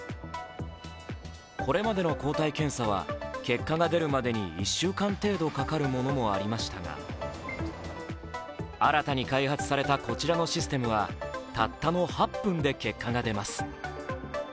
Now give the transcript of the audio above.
これまでの抗体検査は結果が出るまでに１週間程度かかるものもありましたが新たに開発されたこちらのシステムはたったの８分で結果が出ます。